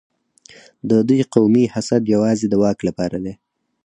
د دوی قومي حسد یوازې د واک لپاره دی.